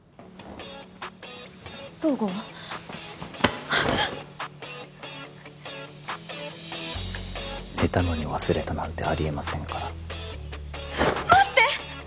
東郷寝たのに忘れたなんてありえませんから待って！